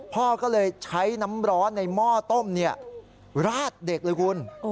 พ่อก็เลยใช้น้ำร้อนในหม้อต้มราดเด็กเลยคุณ